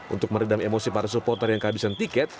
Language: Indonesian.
untuk meredam emosi para supporter yang kehabisan tiket